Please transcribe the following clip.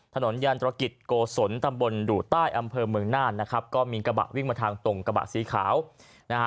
ยานตรกิจโกศลตำบลดุใต้อำเภอเมืองน่านนะครับก็มีกระบะวิ่งมาทางตรงกระบะสีขาวนะฮะ